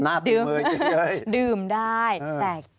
หน้าตื่มเมย์จริงเลยดื่มได้แต่